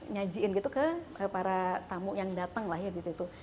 nyajiin gitu ke para tamu yang datang lahir di situ